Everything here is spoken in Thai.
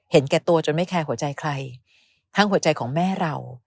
แก่ตัวจนไม่แคร์หัวใจใครทั้งหัวใจของแม่เรา